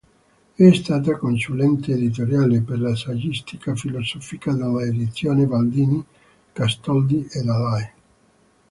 È stata consulente editoriale per la saggistica filosofica delle edizioni Baldini, Castoldi e Dalai.